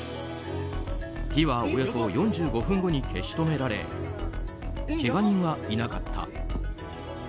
火はおよそ４５分後に消し止められけが人はいなかった。